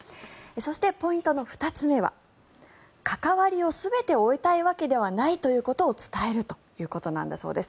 そして、ポイントの２つ目は関わりを全て終えたいわけではないということを伝えるということなんだそうです。